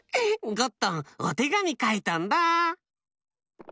ゴットンおてがみかいたんだ！